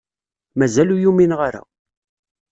Mazal ur umineɣ ara.